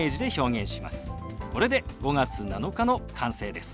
これで「５月７日」の完成です。